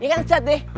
iya kan sat deh